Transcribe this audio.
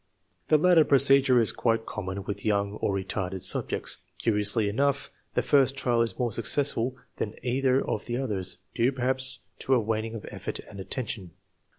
The latter procedure is quite common with young or retarded subjects. Curiously enough, the first trial is more successful than either of the others, due perhaps to a waning of effort and attention.